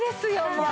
もう。